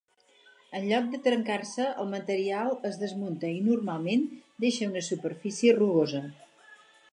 En lloc de trencar-se, el material es "desmunta" i normalment deixa una superfície rugosa.